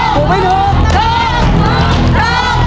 ถูกรักรักรักรักรัก